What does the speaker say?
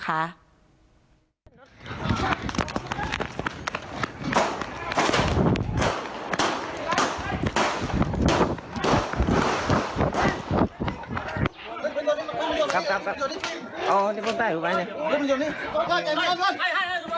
ครับอ๋อถ้ายังไง